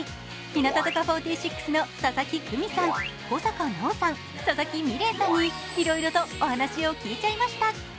日向坂４６の佐々木久美さん、小坂菜緒さん、佐々木美玲さんに、いろいろとお話を聞いちゃいました。